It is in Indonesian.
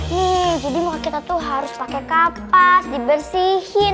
nih jadi muka kita tuh harus pakai kapas dibersihin